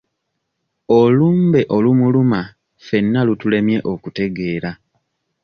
Olumbe olumuluma fenna lutulemye okutegeera.